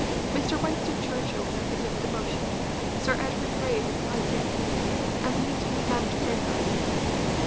Mr. Winston Churchill seconded the motion, Sir Edward Grey replied briefly, and the meeting began to break up.